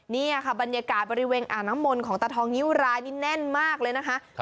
นี่ค่ะบรรยากาศบริเวณอ่างน้ำมนต์ของตาทองนิ้วรายนี่แน่นมากเลยนะคะ